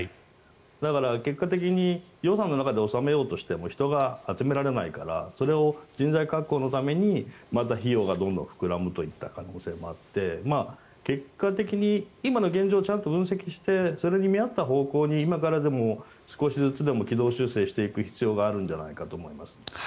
だから結果的に予算の中で収めようとしても人が集められないからそれを人材確保のためにまた費用がどんどん膨らむといった可能性もあって結果的に今の現状ちゃんと分析してそれに見合った方向に今からでも少しずつでも軌道修正していく必要があるんじゃないかと思います。